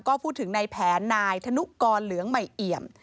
ก็พูดถึงในแผนนายธนุกรเหลืองใหม่เอี่ยม